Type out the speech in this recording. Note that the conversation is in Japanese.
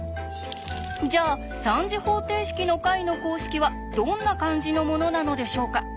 じゃあ３次方程式の解の公式はどんな感じのものなのでしょうか？